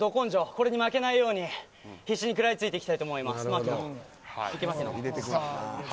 これに負けないように必死に食らいついていきたいと思います。